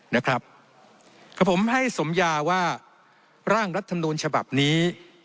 นะครับกับผมให้สมยาว่าร่างรัฐมนูลฉบับนี้